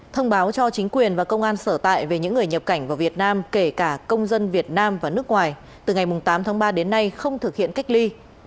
thông báo cho chính quyền và công an sở tại về những người nhập cảnh vào việt nam kể cả công dân việt nam và nước ngoài từ ngày tám tháng ba đến nay không thực hiện cách ly